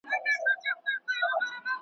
د ښځي د ښكلا له لاري سوې وه